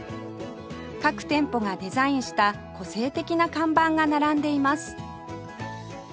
各店舗がデザインした個性的な看板が並んでいます